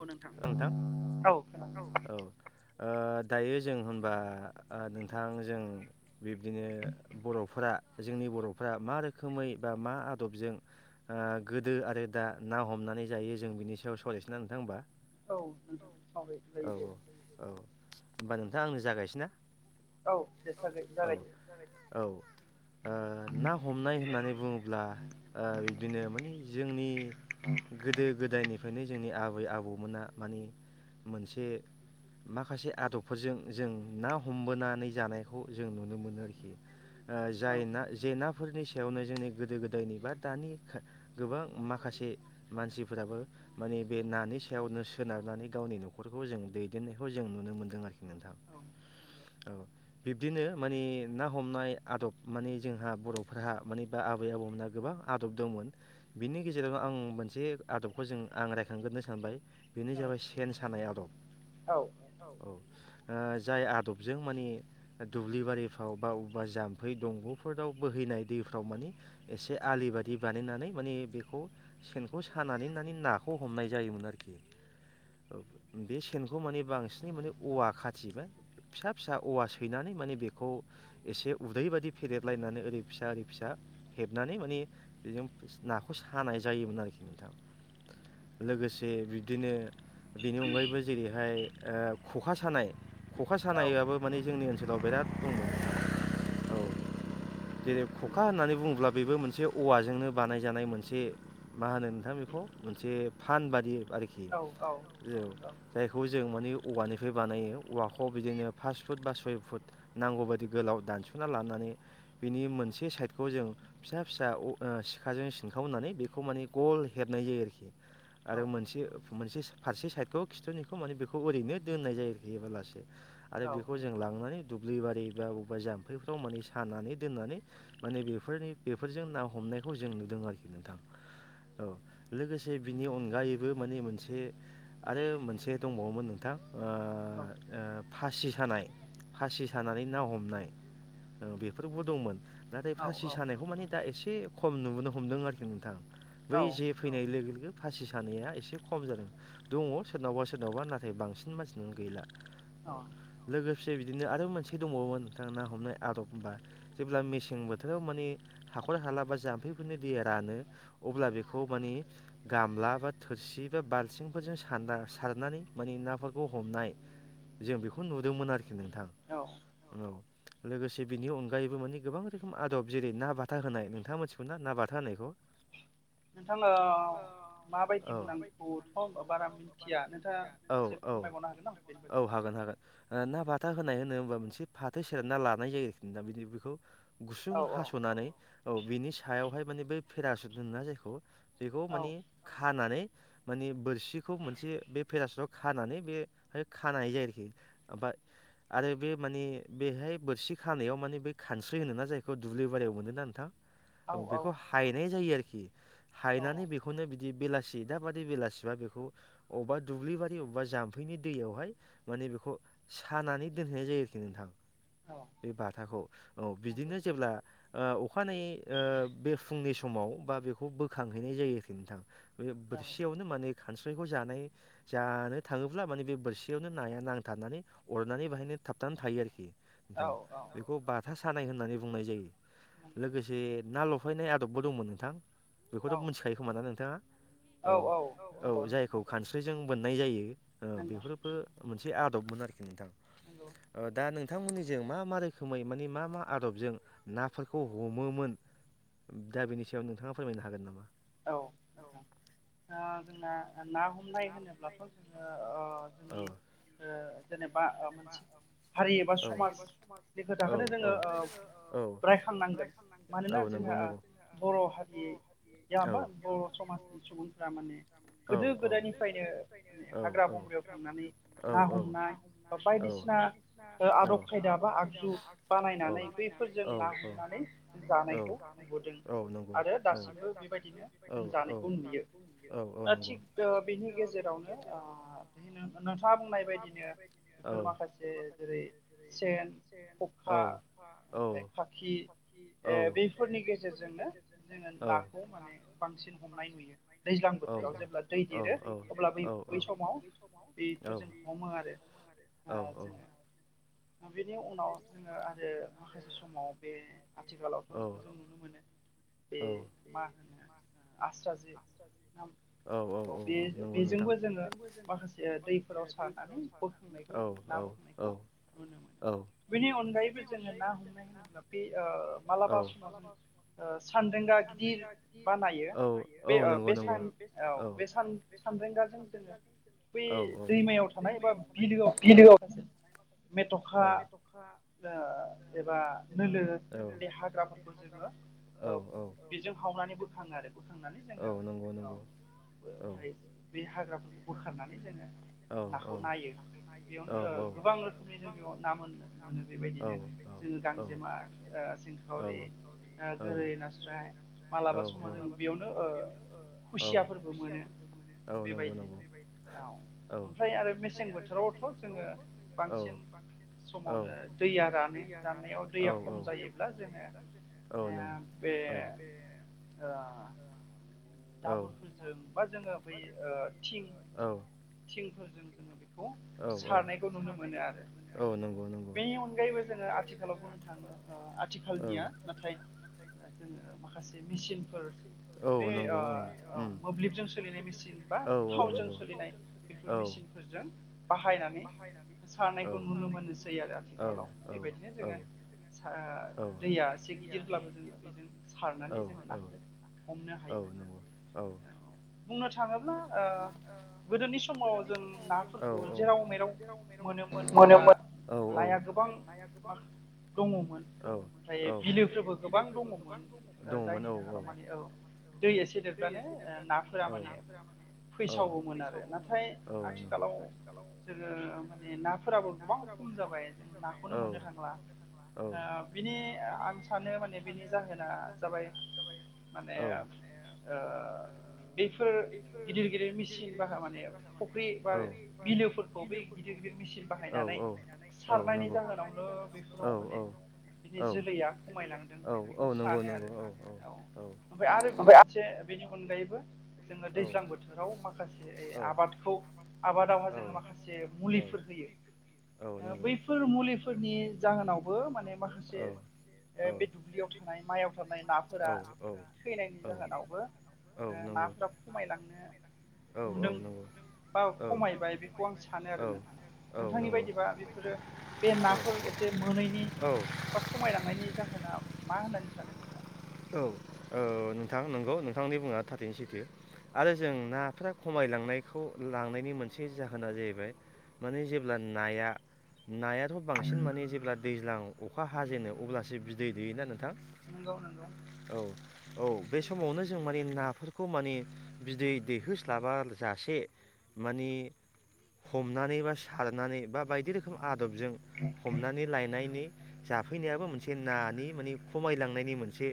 औ नोंथां नोंथां औ खोनादों औ औ ओ दायो जों होनबा ओ नोंथां जों बिब्दिनो बर'फोरा जोंनि बर'फ्रा मा रोखोमै बा मा आदबजों ओ गोदो आरो दा ना हमनानै जायो जों बिनि सायाव सालराय ना नोंथां होमबा उम औ सावरायजायो दे। औ होमबा नोंथां आंनो जागायसै ना औ दे जागाय जागाय दे औ ओ ना हमनाय होननानै बुङोब्ला ओ बिदिनो माने जोंनि गोदो गोदायनिफायनो। जोंनि आबै आबौमोना माने मोनसे माखासे आदबफोरजों जों ना हमबोनानै जानायखौ जों नुनो मोनो आरोखि ओ औ जाय ना जे नाफोरनि सायावनो जोंनि गोदो गोदायनि बा दानि गोबां माखासे मानसिफोराबो माने बे नानि सायावनो सोनारनानै गावनि न'खरखौ जों दैदेननायखौ जों नुनो मोनदों आरोखि नोंथां नंगौ औ बिब्दिनो माने ना हमनाय आदब माने जोंहा बर'फोरहा माने बा आबै आबौमोनहा गोबां आदब दंमोन बिनि गेजेरावनो आं मोनसे आदबखौ जों आं रायखांग्रोनो सानबाय। बेनो जाबाय सेन सानाय आदब औ औ। ओ जाय आदबजों माने दुब्लि बारिफ्राव बा बबेबा जाम्फै दंग'फोराव बोहैनाय दैफ्राव माने एसे आलि बायि बानायनानै माने बेखौ सेनखौ सानानै नानै नाखौ। खौ हमनाय जायोमोन आरोखि बे सेनखौ माने बांसिनै माने औवा खाथिबाय फिसा फिसा औवा सैनानै माने बेखौ एसे उदै बायि फेदेरलायनानै ओरै फिसा ओरै फिसा हेबनानै माने बेजों नाखौ सानाय जायोमोन आरोखि नोंथां। लोगोसे बिदिनो बेनि अनगायैबो जेरैहाय ओ खखा सानाय खखा औ सानायाबो जोंनि ओनसो लाव बिराद दंमोन औ। जेरै खखा नंगौ होननानै बुङोब्ला बेबो मोनसे औवाजोंनो बानायजानाय मोनसे मा होनो नोंथां बेखौ मोनसे फान बादियै। आरोखि औ जायखौ जों माने औवानिफ्राय बानायो औवाखौ बिदिनो फास फुट बा सय फुट नांगौ बायदि गोलाव दानस'ना लानानै बिनि मोनसे साइडखौ जों फिसा फिसा सिखाजों सिनखावनानै बेखौ माने गल हेबनाय जायो आरोखि औ आरो मोनसे मोनसे फारसे साइडखौ खिथुनिखौ माने बेखौ ओरैनो दोननाय जायो आरोखि हेबालासे आरो बेखौ जों लांनानै दुब्लि बारि बा अबेबा जाम्फैफ्राव माने सानानै दोननानै माने बेफोरनि बेफोरजों ना हमनायखौ जों नुदों आरोखि नोंथां औ लोगोसे बिनि अनगायैबो माने मोनसे आरो मोनसे दंबावोमोन नोंथां आ ओ फासि सानाय फासि सानानै ना हमनाय फोरबो दंमोन नाथाय औ फासि सानायखौ माने दा एसे एसे खम नुबोनो हमदों आरोखि नोंथां औ बै जे फैनाय लोगो लोगो फासि सानाया एसे खम जादों दङ सोरनावबा सोरनावबा नाथाय बांसिन मानसिनानो गैला अ से बिदिनो आरो मोनसे दंबावोमोन नोंथाङा ना हमनाय आदब होमबा जेब्ला मेसें बोथोराव माने हाखर हाला बा जाम्फैफोरनि दैया रानो अब्ला बेखौ माने गामला बा थोरसि बा बालथिंफोरजों सारना सारनानै माने नाफोरखौ हमनाय जों बेखौ नुदोंमोन आरोखि नोंथां औ औ लोगोसे बिनि अनग गायैबो माने गोबां रोखोम आदब जेरै ना बाथा होनाय नोंथाङा मोनथिगौ ना ना बाथा होनायखौ नोंथां ओ औ माबायदि मोन आंखौथ' बारा मिथिया नोंथाङा औ एसे औ फोरमायबावनो हागोन नामा औ हागोन हागोन ओ ना बाथा [unintelligible] होनाय होनो होनबा मोनसे फाथो सेरना लानाय जायो आरोखि दा बिदि बेखौ गुसुं औ औ हास'नानै औ बिनि सायावहाय माने बे पेरासुट होनोना जायखौ बेखौ औ माने खानानै माने बोरसिखौ मोनसे बे फेराासताव खानानै बे खानाय जायो आरोखि [unintelligible] आरो बे माने बेहाय बोरसि खानायाव माने बे खानस्रि होनो ना जायखौ दुब्लि बारियाव मोनोना नोंथां औ बेखौ हायनाय जायो आरोखि हायनानै बेखौनो बिदि बेला सि दाब बादि बेलासिबा बेखौ अबेबा दुब्लि बारि अबेबा जाम्फैनि दैयावहाय माने बेखौ सानानै दोनहैनाय जायो आरोखि नोंथां औ बे बाथाखौ औ नंगौ बिदिनो जेब्ला ओ अखानायै ओ बे फुंनि समाव बा बेखौ बोखांहैनाय जायो नोंथां औ बोरसियावनो माने खानस्रायखौ जानाय जानो थाङोब्ला माने बे बोरसियावनो नाया नांथाबनानै अरनानै बेहायनो थाबथानानै थायो आरखि। नोंथां औ बेखौ बाथ सानाय होननानै बुंनाय जायो नंगौ लोगोसे नाल फैनाय आदबबो दंमोन नोंथां औ बेखौथ' मिथिखायो खोमा ना नोंथाङा औ औ जायखौ खानस्रिजों बोन नाय जायो औ नंगौ बेफोरबो मोनसे आब दबमोन आरोखि नोंथां नंगौ ओ दा नों बिथांमोननिजों मा मा रोखोमै माने मा मा आदबजों नाफोरखौ हमोमोन दा बेनि सायाव नोंथाङा फोरमायनो हागोन नामा? औ ना ना हमनाय होनोब्लाथ' जोङो औ जोंनि [unintelligible] बा मोनसे हारि एबा औ समाजनि खोथाखौनो औ जोङो औ रायखांनांगोन औ मानोना नंगौ जोंहा नंगौ बर' हारि औ जाबा बर' समाजनि सुबुंफोरा माने औ गोदो औ गोदायनिफ्रायनो माने औ हाग्रा बंग्रायाव थांनानै ना हमनाय बा बाय औ औ आगजु औ बानायनानै औ बैफोरजों ना औ हमनानै औ जानायखौ औ नुबोदों नंगौ आरो दासिमबो औ बेबायदिनो जों जानायखौ नुयो औ औ दा नंगौ औ थिग बेनि गेजेरावनो बे नोंथाङा बुंनाय बायदिनो फोर माखासे जेरै सेन, खखा ओमफाय खाखि ओ बेफोरनि गेजेरजोंनो जोङो ना खौ माने बांसिन हमनाय नुयो दैज्लां औ औ बोथोराव औ जेब्ला औ दै देरो अब्ला बै समाव बेफोरजों हमो आरो औ औ दा बेनि उनाव जोङो आरो माखासे समाव बे आथिखालावथ' जों नुनो मोनो बे मा होनो आस्रा जे औ औ औ बे नंगौ नोंथां बेजोंबो जोङो माखासे दैफोराव सारनानै बोखांनायखौ औ जों ना औ औ बोखांनायखौ नुनो मोनो औ बेनि अनगायैबो जोङो ना हमनाय होनोब्ला बे ओ औ मालाबा समाव जों सानद्रेंगा गि औ औ बे ओ नंगौ बे नंगौ सान औ सान्रेंगाजों जोङो बै औ दैमायाव थानाय ए बिलोआव थानाय माखासे [unintelligible] मेथ'खा ओ एबा नोलोे हाग्राफोरखौ जोङो औ बेजों खावनानै बोखाङो आरो बोखांनानै औ जोङो नंगौ औ नंगौ औ ओमफ्राय बे हाग्राफोरखौ बोखारनानै जोङो औ नाखौ नायो बेयावनो औ ओ गोबां रोखोमनि जों बेयाव ना मोनो मोनो औ बेबायदिनो जोङो औ औ गांजेमा ओ औ सिंखावरि गोरै नास्राय, मालाबा समाव जों बेयावनो ओ औ खुसियाफोरबो मोनो औ नंगौ बेबायदि नंगौ औ औ ओमफ्राय आरो मेसें बोथोरावथ' जोङो औ बांसिन, औ समावनो दैया रानो राननायाव औ दैया नंगौ खम जायोब्ला जोङो बे औ ओ औ दाबरफोरजों बा जोङो बै ओ थिं थिं [unintelligible] खौ औ औ सारनायखौ नुनो मोनो आरो औ नंगौ नंगौ बेनि अनगायैबो जोङो आथिखालाव बुंनो थाङो ओ औ आथिखालनिया नाथाय जोङो, माखासे मेचिनफोर औ बे नंगौ औ ओ उम मोब्लिबजों सोलिनाय मेचिन बा औ औ थावजों नंगौ सोलिनाय बेफोर औ मेचिनफोरजों, बाहायनानै औ सारनायखौ नुनो मोनोसै आरो औ आथिखालाव बेबायदिनो औ जोङो सा दैया एसे गिदिरब्लाबो जोङो बेजों सारनानै औ जोङो औ नाखौ हमनो औ हायो नंगौ औ बुंनो थाङोब्ला ओ गोदोनि समाव जों औ नाफोरखौ जेराव मेराव मोनोमोन बा औ नाया गोबां मा दङमोन औ ओमफ्राय औ बिलोफोरबो गोबां दङमोन। दङमोन जायनि औ जाहोनाव माने औ दै एसे देरब्लानो नाफोरा औ माने, फैसावोमोन आरो नाथाय औ आथिखालाव जोङो माने नंगौ नाफोराबो गोबां खम जाबाय जों नाखौनो मोननो औ थांला बिनि आं सानो माने बिनि जाहोना, बाय माने औ ओ बेफोर गिदिर गिदिर मेचिन बाह माने फुख्रि बा औ बिलोफोरखौ बै गिदिर गिदिर मेचिन औ बाहायनानै औ औ सारनायनि नंगौ जाहोनावनो औ बेफोराव माने बिनि औ जोलैया खमायलांदों औ औ बेखौ नंगौ सानो नंगौ आरो औ औ ओमफ्राय आरो मोनसे बेनि अनगायैबो, जोङो दैज्लां बोथोराव माखासे आबादखौ, आबादावहा औ जोङो माखासे मुलिफोर होयो औ ओ नंगौ बैफोर मुलिफोरनि जाहोनावबो माने माखासे औ औ बे दुब्लियाव थानाय माइयाव, सारनाय औ नाफोरा औ थैनायनि औ जाहोनावबो औ ओ नंगौ नाफोरा खमायलांनो औ औ हमदों नंगौ बा, औ खमायबाय बेखौ आं सानो आरो नोंथां औ नोंथांनि नंगौ बायदिबा बेफोरो बे औ नाफोर एसे मोनैनि औ बा खमायलांनायनि जाहोना मा होननानै सानो औ औ नोंथां नंगौ नोंथांनि मुङा थारैनो सैथो आरो जों नाफ्रा खमायलांनायखौ लांनायनि मोनसे जाहोना जाहैबाय माने जेब्ला नाया नायाथ' बांसिन माने जेब्ला दैज्लां अखा हाजेनो अब्लासो बिदै दैयोना नोंथां? नंगौ नों औ औ बे समावनो जों माने नाफोरखौ माने बिदै दैहोस्लाबा जासे माने हमनानै बा सारनानै बा बायदि रोखोम आ आदबजों हमनानै लायनायनि जाफैनायाबो मोनसे नानि माने खमायलांनायनि मोनसे एसे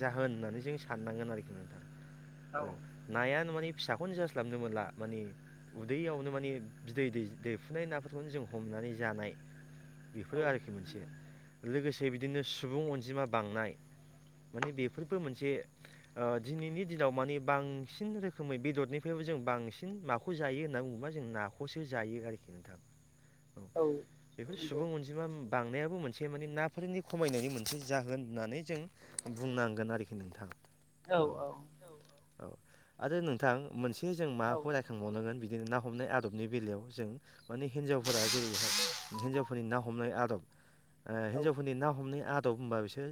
जाहोन होननानै जों साननांगोन आरोखि नोंथां औ नायानो मानि फिसाखौनो जास्लाबनो मोनला माने उदैयावनो माने बिदै दैफुनाय नाफोरखौनो जों हमनानै जानाय बेफोरो औ आरोखि मोनसे नंगौ लोगोसे बिदिनो सुबुं अनजिमा बांनाय माने बेफोरबो मोनसे ओ दिनैनि दिनाव मानि बांसिन रोखोमै बेदरनिफ्रायबो जों बांसिन माखौ जायो होनना बुङोबा जों नाखौसो जायो आरोखि नोंथां। औ बेफोर सुबुं अनजिमा बांनायाबो मोनसे माने नाफोरनि खमायनायनि मोनसे जाहोन होननानै जों बुंनांगोन आरोखि नोंथां औ औ औ आरो नोंथां मोनसे ए जों माखौ रायखांबावनांगोन? बिदिनो ना हमनाय आदबनि बेलायाव जों माने हिनजावफोरा जेरैहाय हिनजावफोरनि ना हमनाय आदब औ हिन्जावफोरनि ना हमनाय आद दब औ होनबा बिसोर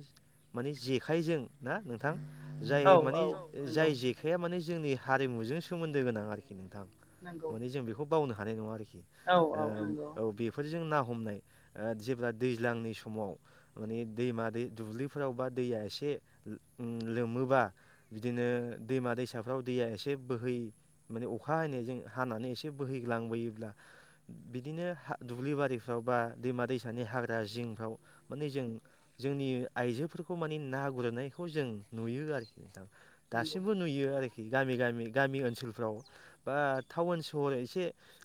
माने जेखाइजों ना नोंथां जाय औ माने औ नंगौ जाय जेखाया माने जोंनि हारिमुजों सोमोन्दो गोनां आरोखि नोंथां नंगौ माने जों बेखौ बावनो हानाय नङा आरोखि औ औ ओ नंगौ औ बेफोर जों ना हमनाय ओ जेब्ला दैजांनि समाव माने दैमा दै दुब्लि फोराव बा दैया एसे लोमोबा बिदिनो दैमा दैसाफ्राव दैया एसे बोहै माने अखा हानाय जों हानानै एसे बोहैग्लांबोयोब्ला बिदिनो दुब्लि बारिफ्राव बा दैमा दैसानि हाग्रा जिंफ्राव माने जों जोंनि आइजोफोरखौ माने ना गुरनायखौ जों नुयो आरोखि दाबो नंगौ दासिमबो नुयो आरोखि गामि-गामि-गामि ओनसोलफ्राव बा टाउन सहर एसे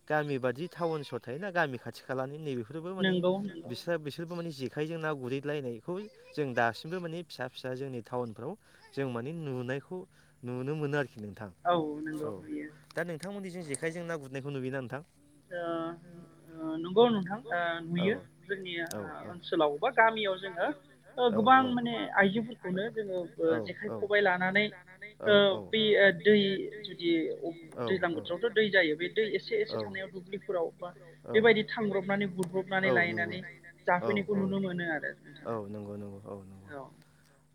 गामि बादि टाउन सहर थायोना गामि खाथि खालानि नैबे फोरबो माने नंगौ नंगौ बिस्रा बिसोरबो मानि जे खाइजों ना गुरहैलायनायखौ जों दासिमबो माने फिसा फिसा जोंनि टाउनफ्राव जों माने नुनायखौ नुनो मोनो आरोखि नोंथां औ नंगौ नुयो दा नोंथांमोननि जे खायजों ना गुरनायखौ नुयो नोथां। ओ ओ नंगौ नोंथां ओ नुयो औ जोंनि औ नंगौ औ ओनसोलाव बा गामियाव जोङो ओ गोबां माने आइजोफोरखौनो जोङो ओ जेखाइ खबाइ लानानै ओ बि बै दै जुदि दैजल्लां बोथोरावथ' दै जायो बे दै एसे एसे थानायाव दुब्लिफोराव बा बेबायदि थांब्रबनानै गुरब्रबनानै लायनानै जाफैनायखौ नुनो मोनोआरो नोंथां। नंगौ नंगौ औ नंगौ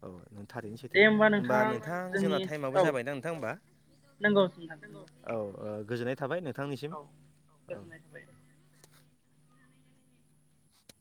औ थारैनो सैथो दे होमबा नोंथां जोंनि जोंना टाइमआबो औ जाबायना नोंथां होमबा नंगौ नोंथां नंगौ औ ओ गोजोननाय थाबाय नो औ गोजोननाय थाबाय